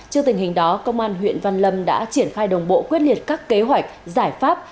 trước tình hình đó công an huyện văn lâm đã triển khai đồng bộ quyết liệt các kế hoạch giải pháp